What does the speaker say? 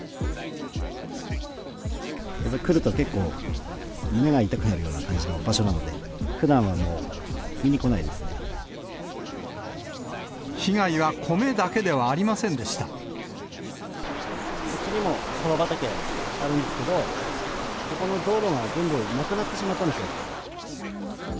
やっぱ来ると、結構、胸が痛くなるような感じの場所なので、ふだんはもう見に来ないで被害は米だけではありませんこっちにもそば畑、あるんですけど、そこの道路が全部なくなってしまったんですよ。